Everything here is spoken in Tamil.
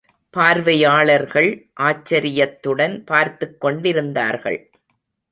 பார்வையாளர்கள் ஆச்சரியத்துடன் பார்த்துக் கொண்டிருந்தார்கள்.